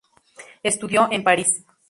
Estudió en París.